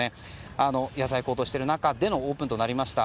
野菜が高騰してる中でのオープンとなりました。